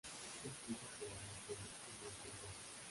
Fue escrita por Angus Young y Malcolm Young.